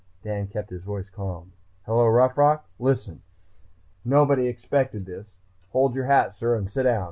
Dan kept his voice calm. "Hello, Rough Rock.... Listen ... nobody expected this ... hold your hat, sir, and sit down.